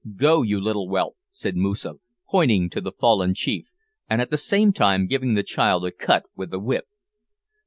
"Go, you little whelp," said Moosa, pointing to the fallen chief, and at the same time giving the child a cut with the whip.